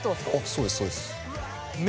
そうですそうです。